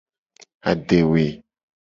Adewe.